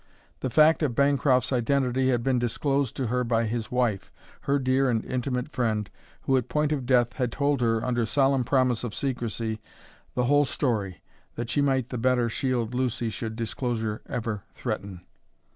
The fact of Bancroft's identity had been disclosed to her by his wife, her dear and intimate friend, who, at point of death, had told her, under solemn promise of secrecy, the whole story, that she might the better shield Lucy should disclosure ever threaten.